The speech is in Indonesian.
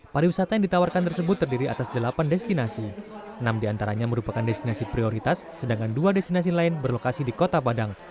pariwisata yang ditawarkan tersebut terdiri atas delapan destinasi enam diantaranya merupakan destinasi prioritas sedangkan dua destinasi lain berlokasi di kota padang